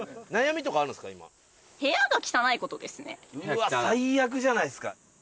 うわ最悪じゃないですか。